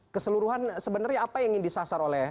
keseluruhan sebenarnya apa yang ingin disasar oleh